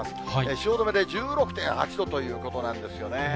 汐留で１６．８度ということなんですよね。